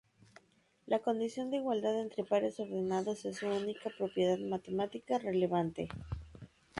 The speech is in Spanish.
La condición de igualdad entre pares ordenados es su única propiedad matemática relevante.